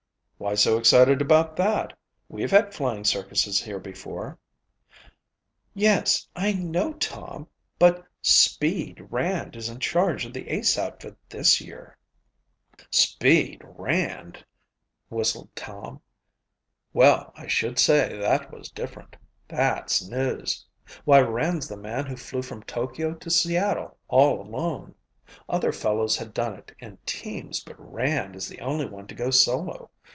"Why so excited about that? We've had flying circuses here before." "Yes, I know, Tom, but 'Speed' Rand is in charge of the Ace outfit this year." "'Speed' Rand!" whistled Tom. "Well, I should say that was different. That's news. Why Rand's the man who flew from Tokyo to Seattle all alone. Other fellows had done it in teams but Rand is the only one to go solo.